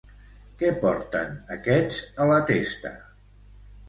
Què porten aquests a la testa?